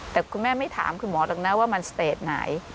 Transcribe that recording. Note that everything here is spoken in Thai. แต่คุณแม่ไม่ถามคุณหมอหรอกนะว่ามันสเตจไหน